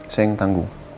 saya yang tangguh